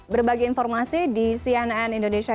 berbagi informasi di cnn indonesia